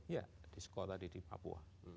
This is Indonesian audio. ya di sekolah tadi di papua